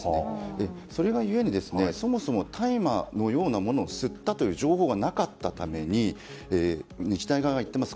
それが故に大麻のようなものを吸ったという情報がなかったために日大側は言っています